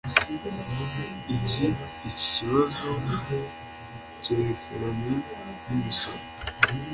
iki ikibazo cyerekeranye n'imisoro